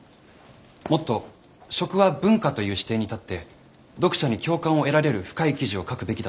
もっと「食は文化」という視点に立って読者に共感を得られる深い記事を書くべきだと思います。